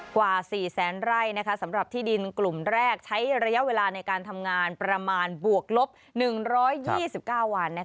กว่า๔แสนไร่สำหรับที่ดินกลุ่มแรกใช้ระยะเวลาในการทำงานประมาณบวกลบ๑๒๙วัน